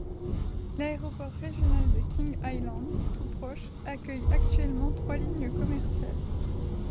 L'aéroport régional de King Island, tout proche, accueille actuellement trois lignes commerciales.